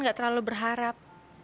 gak terlalu berharap